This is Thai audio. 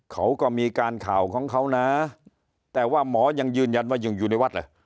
เขาก็มีการข่าวของเขานะแต่ว่าหมอยังยืนยันว่ายังอยู่ในวัดแหละ